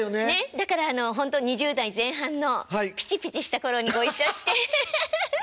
だからほんと２０代前半のピチピチした頃にご一緒してフフフ。